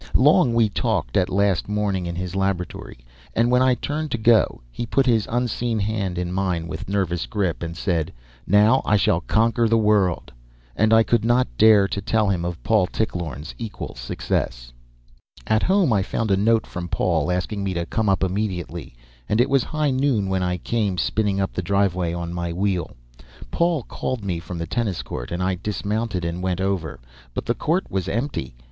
Long we talked that last morning in his laboratory; and when I turned to go, he put his unseen hand in mine with nervous grip, and said, "Now I shall conquer the world!" And I could not dare to tell him of Paul Tichlorne's equal success. At home I found a note from Paul, asking me to come up immediately, and it was high noon when I came spinning up the driveway on my wheel. Paul called me from the tennis court, and I dismounted and went over. But the court was empty.